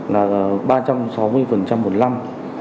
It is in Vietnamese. là ba trăm sáu mươi một năm